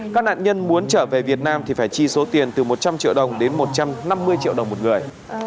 các nạn nhân muốn trở về việt nam thì phải chi số tiền từ một trăm linh triệu đồng đến một trăm năm mươi triệu đồng một người